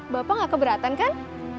bapak gak keberatan kan